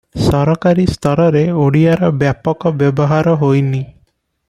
ସରକାରୀ ସ୍ତରରେ ଓଡ଼ିଆର ବ୍ୟାପକ ବ୍ୟବହାର ହୋଇନି ।